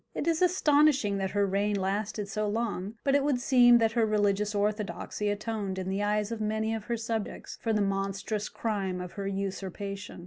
It is astonishing that her reign lasted so long, but it would seem that her religious orthodoxy atoned in the eyes of many of her subjects for the monstrous crime of her usurpation.